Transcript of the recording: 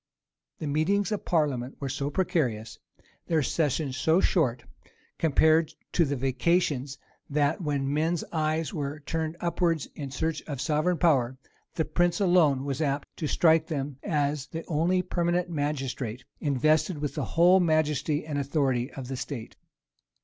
The meetings of parliament were so precarious, their sessions so short, compared to the vacations, that, when men's eyes were turned upwards in search of sovereign power, the prince alone was apt to strike them as the only permanent magistrate, invested with the whole majesty and authority of the state.